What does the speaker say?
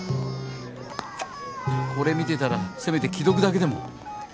「これ見てたらせめて既読だけでも」